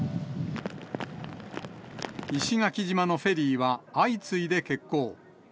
石垣島のフェリーは相次いで欠航。